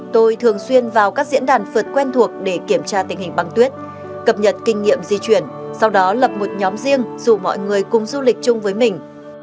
tôi thường xuyên vào các diễn đàn phượt quen thuộc để kiểm tra tình hình băng tuyết cập nhật kinh nghiệm di chuyển sau đó lập một nhóm riêng dù mọi người cùng du lịch chung với mình